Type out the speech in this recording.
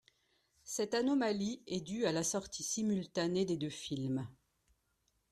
Cette anomalie est due à la sortie simultanée des deux films.